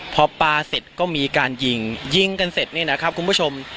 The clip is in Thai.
พอปลาเสร็จก็มีการยิงยิงกันเสร็จเนี่ยนะครับคุณผู้ชม